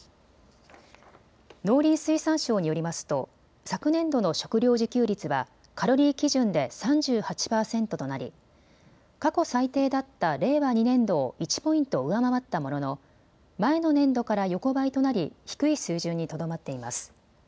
農林水産省によりますと昨年度の食料自給率はカロリー基準で３８％となり、過去最低だった令和２年度を１ポイント上回ったものの前の年度から横ばいとなり低い水準にとどまっています。